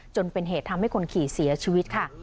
จนเป็นเหตุทำให้คนขี่เสียชีวิตค่ะ